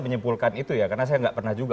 menyimpulkan itu ya karena saya nggak pernah juga